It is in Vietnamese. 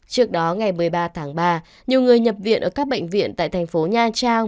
trước đó ngày một mươi ba tháng ba nhiều người nhập viện ở các bệnh viện tại thành phố nha trang